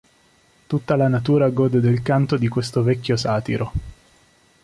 Tutta la natura gode del canto di questo vecchio satiro.